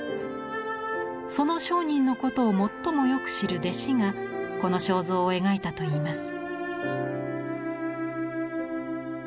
その上人のことを最もよく知る弟子がこの肖像を描いたといいます。